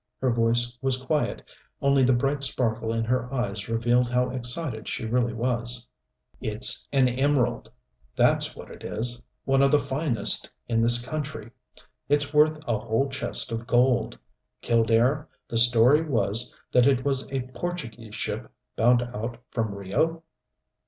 Her voice was quiet; only the bright sparkle in her eyes revealed how excited she really was. "It's an emerald. That's what it is. One of the finest in this country. It's worth a whole chest of gold. Killdare, the story was that it was a Portuguese ship bound out from Rio?"